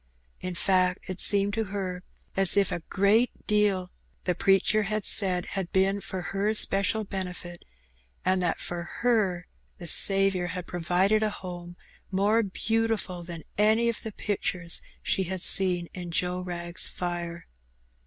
In fact, it seemed to her as if a great deal the preacher had said had been for her special benefit, and thaft for her the Saviour had provided a home more beautiful thaj; any of the pictures she had seen in Joe Wrag's fire.